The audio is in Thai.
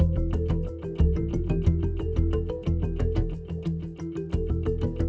เคยหลายครั้งแต่ส่วนมากจะไม่โดน